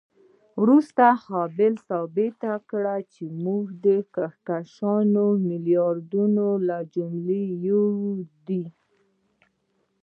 وروسته هابل ثابته کړه چې زموږ کهکشان د میلیاردونو له جملې یو دی.